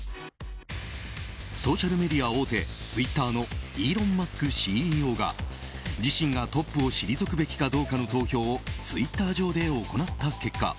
ソーシャルメディア大手ツイッターのイーロン・マスクＣＥＯが自身が、トップを退くべきかどうかの投票をツイッター上で行った結果